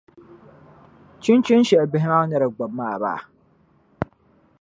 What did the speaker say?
Chinchini shɛli bihi maa ni di gbubi maa baa?